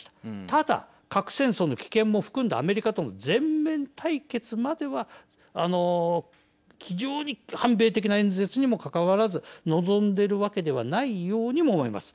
ただ、核戦争の危険も含んだアメリカとの全面対決までは非常に反米的な演説にもかかわらず望んでるわけではないようにも思います。